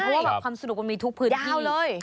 เพราะว่าความสนุกมันมีทุกพื้นที่